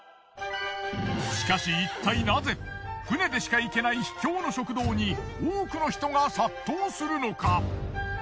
しかしいったいナゼ船でしか行けない秘境の食堂に多くの人が殺到するのか？